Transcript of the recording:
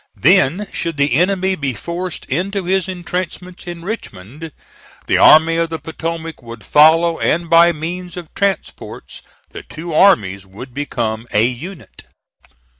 Then, should the enemy be forced into his intrenchments in Richmond, the Army of the Potomac would follow, and by means of transports the two armies would become a unit.